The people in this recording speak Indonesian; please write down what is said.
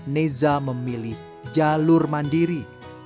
neza memilih jalur mandiri